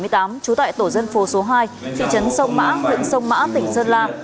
trú tại tổ dân phố số hai thị trấn sông mã huyện sông mã tỉnh sơn la